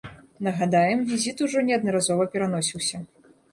Нагадаем, візіт ужо неаднаразова пераносіўся.